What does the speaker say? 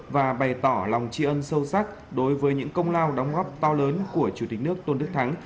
và bày tỏ lòng tri ân sâu sắc đối với những công lao đóng góp to lớn của chủ tịch nước tôn đức thắng